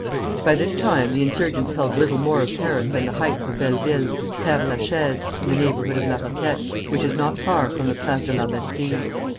By this time the insurgents held little more of Paris than the heights of Belleville, Père la Chaise, and the neighborhood of La Roquette, which is not far from the Place de la Bastille.